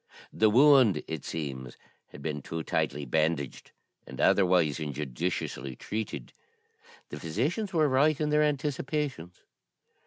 The wound, it seems, had been too tightly bandaged, and otherwise injudiciously treated. The physicians were right in their anticipations.